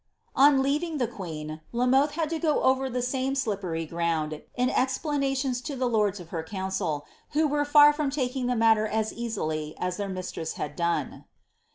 On leaving the queen, La Moihe had to go over the same slip ground in explanations to the lords of her councd, ivhn were tar taking the matier as ea!>jly as their mistress had done.